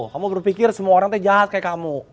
kamu berpikir semua orang itu jahat kayak kamu